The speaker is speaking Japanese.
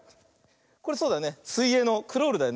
これそうだよね。